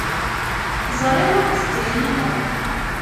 Ẓriɣ ur d-ttiḥnineḍ.